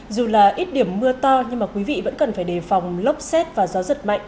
dù là ít điểm mưa to nhưng mà quý vị vẫn cần phải đề phòng lốc xét và gió giật mạnh